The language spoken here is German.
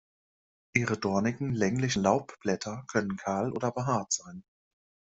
Ihre dornigen, länglichen Laubblätter können kahl oder behaart sein.